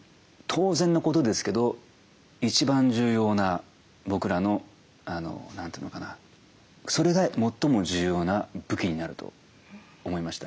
当然のことですけど一番重要な僕らの何て言うのかなそれが最も重要な武器になると思いました。